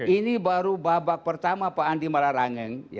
ini baru babak pertama pak andi malarangeng